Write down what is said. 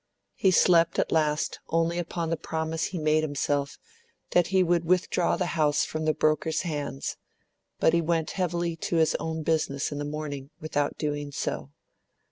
He slept at last only upon the promise he made himself that he would withdraw the house from the broker's hands; but he went heavily to his own business in the morning without doing so.